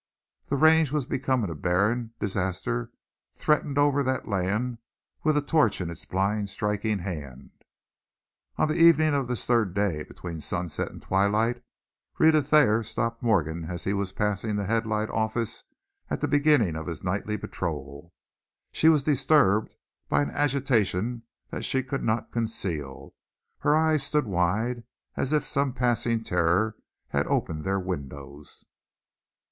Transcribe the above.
The range was becoming a barren; disaster threatened over that land with a torch in its blind striking hand. On the evening of this third day, between sunset and twilight, Rhetta Thayer stopped Morgan as he was passing the Headlight office at the beginning of his nightly patrol. She was disturbed by an agitation that she could not conceal; her eyes stood wide as if some passing terror had opened their windows.